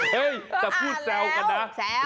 เฮ้ยจะพูดแซวกันนะ